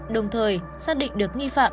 đồng thời xác định được nghi phạm